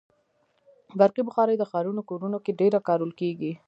برقي بخاري د ښارونو کورونو کې ډېره کارول کېږي.